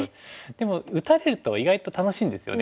でも打たれると意外と楽しいんですよね。